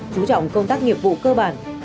chú trọng công tác nghiệp vụ cơ bản